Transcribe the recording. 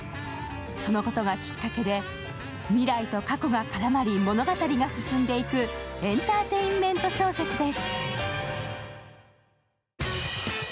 そのことがきっかけで未来と過去が絡まり物語が進んでいくエンターテインメント小説です。